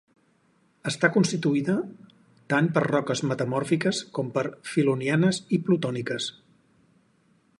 Està constituïda tant per roques metamòrfiques com filonianes i plutòniques.